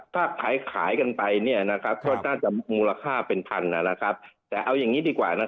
ถ้าขายขายกันไปก็น่าจะมูลค่าเป็นพันนะครับแต่เอาอย่างนี้ดีกว่า